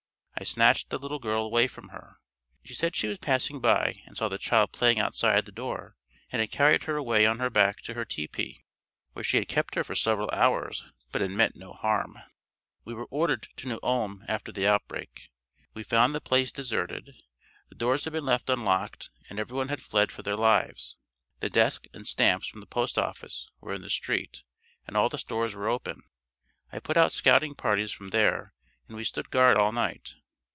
I snatched the little girl away from her. She said she was passing by and saw the child playing outside the door and had carried her away on her back to her tepee, where she had kept her for several hours but had meant no harm. We were ordered to New Ulm after the outbreak. We found the place deserted. The doors had been left unlocked and everyone had fled for their lives. The desk and stamps from the postoffice were in the street and all the stores were open. I put out scouting parties from there and we stood guard all night.